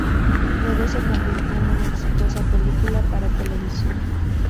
Luego se convirtió en una exitosa película para televisión.